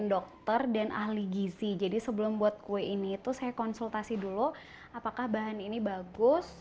dokter dan ahli gizi jadi sebelum buat kue ini itu saya konsultasi dulu apakah bahan ini bagus